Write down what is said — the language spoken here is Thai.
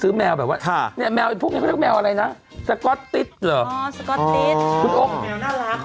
ซื้อแมวแบบว่าแมวพวกนี้เขาเรียกว่าแมวอะไรนะสก็อตติ๊ดเหรออ๋อสก็อตติ๊ด